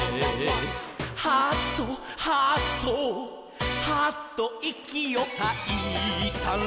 「はぁっとはぁっとはぁといきをはいたら」